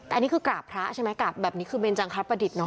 แต่อันนี้คือกราบพระใช่ไหมกราบแบบนี้คือเบนจังครับประดิษฐ์เนอ